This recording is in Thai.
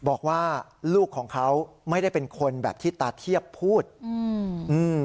บอกว่าลูกของเขาไม่ได้เป็นคนแบบที่ตาเทียบพูดอืมอืม